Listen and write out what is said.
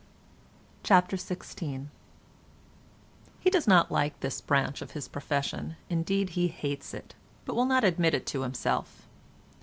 CHAPTER XVI He does not like this branch of his profession—indeed he hates it—but will not admit it to himself.